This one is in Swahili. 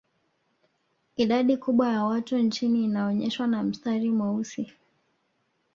Idadi kubwa ya watu nchini inaonyeshwa na mstari mweusi